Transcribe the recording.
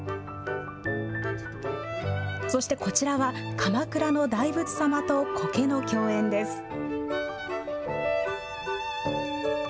そしてこちらは鎌倉の大仏様とこけの共演です。